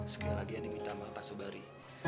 sekali lagi aneh minta maaf pak sobari